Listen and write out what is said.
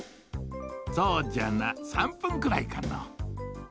そうじゃな３分くらいかの。